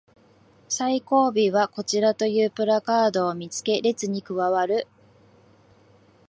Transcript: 最後尾はこちらというプラカードを見つけ列に加わる